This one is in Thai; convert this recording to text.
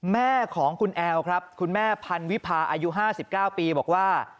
แม่ของคุณแอลครับคุณแม่พันวิพาอายุ๕๙ปีบอกว่า